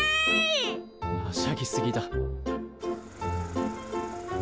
はしゃぎすぎだ。